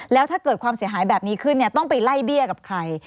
แล้วถ้าเกิดความเสียหายแบบนี้ขึ้นต้องไปไล่เบี้ยกับใคร